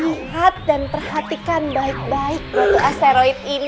lihat dan perhatikan baik baik untuk asteroid ini